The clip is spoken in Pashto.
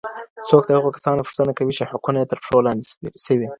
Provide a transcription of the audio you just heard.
څوک د هغو کسانو پوښتنه کوي چي حقونه یې تر پښو لاندي سوي؟